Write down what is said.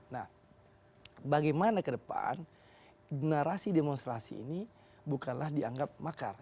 nah bagaimana ke depan narasi demonstrasi ini bukanlah dianggap makar